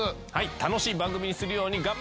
楽しい番組にするように頑張ります。